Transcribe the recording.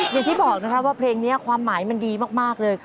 อย่างที่บอกนะครับว่าเพลงนี้ความหมายมันดีมากเลย